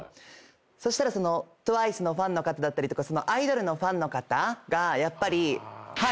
そしたらＴＷＩＣＥのファンの方だったりとかアイドルのファンの方がやっぱり。